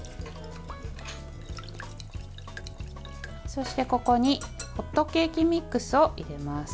そして、ここにホットケーキミックスを入れます。